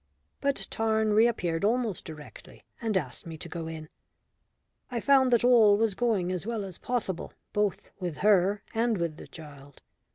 But Tarn reappeared almost directly and asked me to go in I found that all was going as well as possible both with her and with the child.